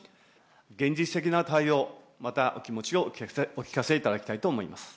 現実的な対応、また、お気持ちをお聞かせいただきたいと思います。